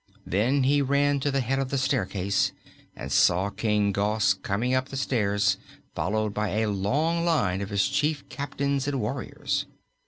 Then he ran to the head of the staircase and saw King Gos coming up the stairs followed by a long line of his chief captains and warriors.